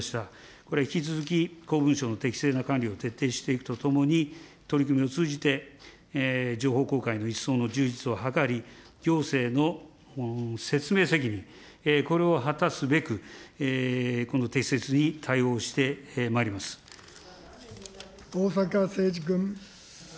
これ、引き続き、公文書の適正な管理を徹底していくとともに、取り組みを通じて情報公開の一層の充実を図り、行政の説明責任、これを果たすべく、逢坂誠二君。